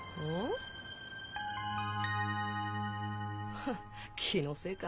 フッ気のせいか。